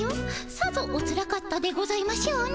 さぞおつらかったでございましょうね。